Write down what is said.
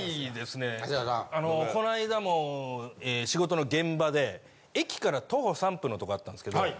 こないだも仕事の現場で駅から徒歩３分のとこだったんですけど。